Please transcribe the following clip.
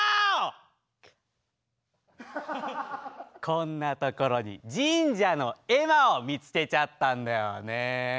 こんなところに神社の絵馬を見つけちゃったんだよね。